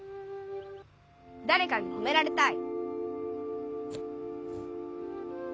だれかにほめられたい？